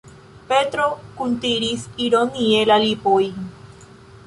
Petro kuntiris ironie la lipojn.